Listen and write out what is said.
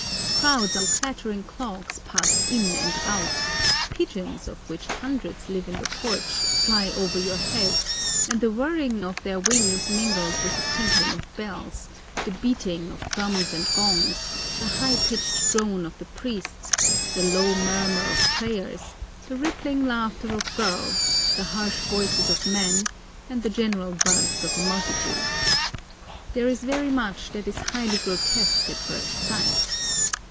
Crowds on clattering clogs pass in and out; pigeons, of which hundreds live in the porch, fly over your head, and the whirring of their wings mingles with the tinkling of bells, the beating of drums and gongs, the high pitched drone of the priests, the low murmur of prayers, the rippling laughter of girls, the harsh voices of men, and the general buzz of a multitude. There is very much that is highly grotesque at first sight.